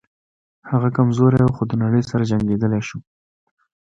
هغه کمزوری و خو د نړۍ سره جنګېدلی شو